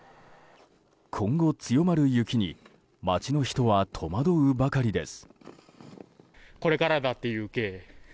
今後強まる雪に町の人は戸惑うばかりです。